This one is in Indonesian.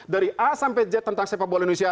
dari a sampai j tentang sepak bola indonesia